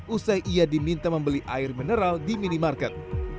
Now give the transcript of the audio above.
usai ia diminta membeli air mineral di minimarket